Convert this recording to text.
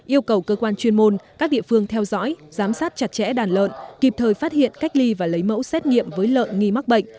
yêu cầu cơ quan chuyên môn các địa phương theo dõi giám sát chặt chẽ đàn lợn kịp thời phát hiện cách ly và lấy mẫu xét nghiệm với lợn nghi mắc bệnh